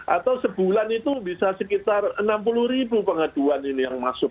atau sebulan itu bisa sekitar enam puluh ribu pengaduan ini yang masuk